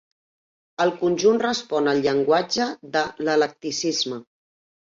El conjunt respon al llenguatge de l'eclecticisme.